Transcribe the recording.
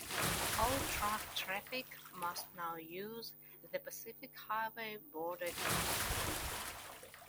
All truck traffic must now use the Pacific Highway Border Crossing.